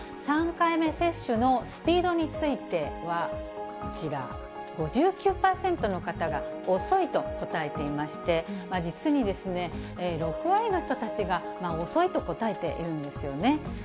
３回目接種のスピードについては、こちら、５９％の方が遅いと答えていまして、実にですね、６割の人たちが遅いと答えているんですよね。